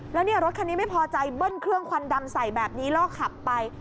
แล้วเนี่ยรถคันนี้ไม่พอใจเบิ้ลเครื่องควันดำใส่แบบนี้แล้วก็ขับไป